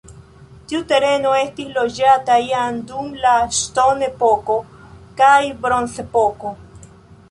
Tiu tereno estis loĝata jam dum la ŝtonepoko kaj bronzepoko.